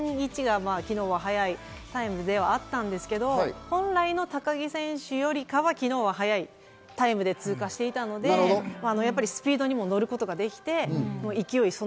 １０秒３１が昨日の速いタイムではあったんですが、本来の高木選手よりは昨日は速いタイムで通過していたので、スピードにも乗ることができて勢い、